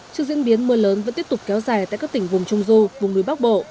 trước diễn biến mưa lớn vẫn tiếp tục kéo dài tại các tỉnh vùng trung du vùng núi bắc bộ